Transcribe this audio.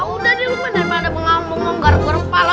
udah deh lu mana pengamung ngonggar goreng pala